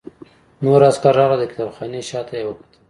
نور عسکر راغلل او د کتابخانې شاته یې وکتل